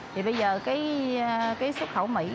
thì bây giờ cái xuất khẩu mỹ